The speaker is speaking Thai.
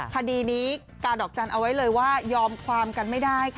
คดีนี้กาดอกจันทร์เอาไว้เลยว่ายอมความกันไม่ได้ค่ะ